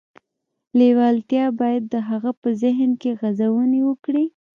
لېوالتیا باید د هغه په ذهن کې غځونې وکړي